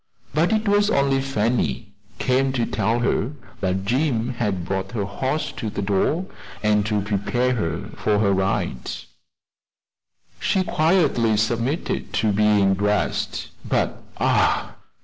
But it was only Fanny, come to tell her that Jim had brought her horse to the door, and to prepare her for her ride. She quietly submitted to being dressed; but, ah!